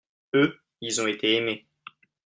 eux, ils ont été aimé.